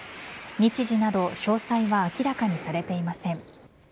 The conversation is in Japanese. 日時など詳細は明らかにされていません。